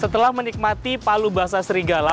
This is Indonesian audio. setelah menikmati palubasa serigala